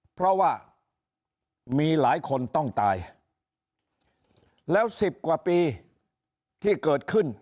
เพราะว่ามีหลายคนต้องตายแล้ว๑๐กว่าปีที่เกิดขึ้น